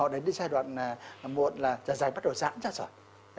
đến cái giai đoạn mụn là dài dài bắt đầu giãn ra rồi